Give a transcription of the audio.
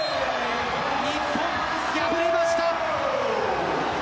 日本、敗れました。